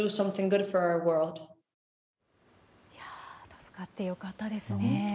助かってよかったですね。